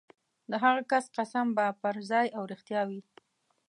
د هغه کس قسم به پرځای او رښتیا وي.